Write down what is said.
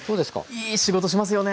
いい仕事しますよね。